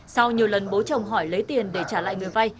sau nhiều lần bố chồng hỏi lấy tiền để trả lại người vay